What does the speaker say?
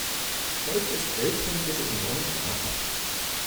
Heute ist Weltpremiere im neuen Theater.